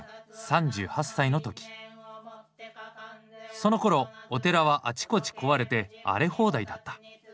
そのころお寺はあちこち壊れて荒れ放題だった。